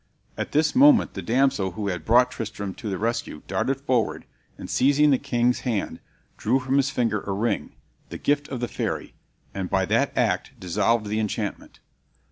At this moment the damsel who had brought Tristram to the rescue darted forward, and, seizing the king's hand, drew from his finger a ring, the gift of the fairy, and by that act dissolved the enchantment.